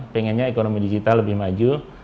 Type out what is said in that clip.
pengennya ekonomi digital lebih maju